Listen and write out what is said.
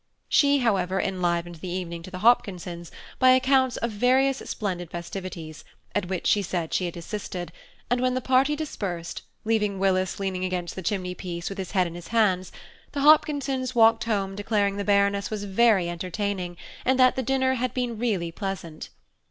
She, however, enlivened the evening to the Hopkinsons by accounts of various splendid festivities, at which she said she had assisted; and when the party dispersed, leaving Willis leaning against the chimney piece with his head in his hands, the Hopkinsons walked home declaring the Baroness was very entertaining, and that the dinner had been really pleasant.